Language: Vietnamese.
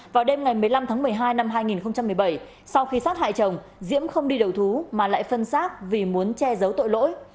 vào đêm ngày một mươi năm tháng một mươi hai năm hai nghìn một mươi bảy sau khi sát hại chồng diễm không đi đầu thú mà lại phân xác vì muốn che giấu tội lỗi